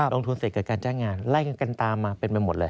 ลงทุนเสร็จเกิดการจ้างงานไล่กันตามมาเป็นไปหมดเลย